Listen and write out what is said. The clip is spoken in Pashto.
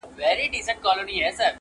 چي په ښکار به د مرغانو و وتلی.